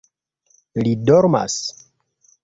Li dormas?